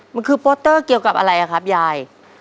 มันคือโปสเตอร์เกี่ยวกับอะไรอะครับยาย